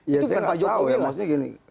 itu bukan pak jokowi